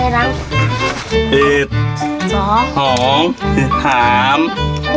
รู้ไหมล่ะ